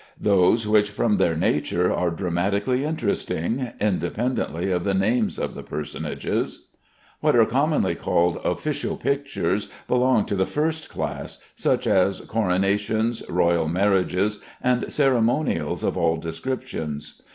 Those which, from their nature, are dramatically interesting, independently of the names of the personages. What are commonly called "official pictures" belong to the first class, such as coronations, royal marriages, and ceremonials of all descriptions.